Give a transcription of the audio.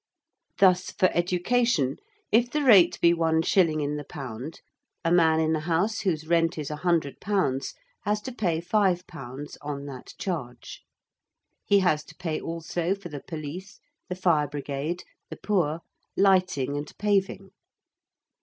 Thus for education, if the rate be 1_s._ in the pound, a man in a house whose rent is 100_l._ has to pay 5_l._ on that charge. He has to pay also for the Police, the Fire Brigade, the Poor, lighting and paving.